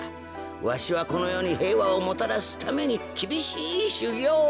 わしはこのよにへいわをもたらすためにきびしいしゅぎょうを。